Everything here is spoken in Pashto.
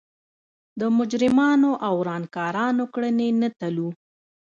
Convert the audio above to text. د مجرمانو او ورانکارانو کړنې نه تلو.